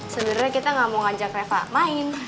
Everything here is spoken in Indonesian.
sebenarnya kita nggak mau ngajak reva main